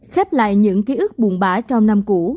khép lại những ký ức buồn bã trong năm cũ